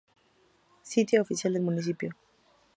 Sitio oficial del municipio